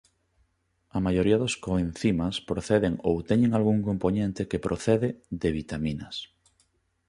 A maioría dos coencimas proceden ou teñen algún compoñente que procede de vitaminas.